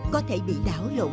có thể bị đảo lộn